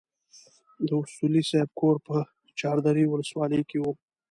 د اصولي صیب کور په چار درې ولسوالۍ کې وو.